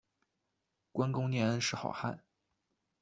观功念恩是好汉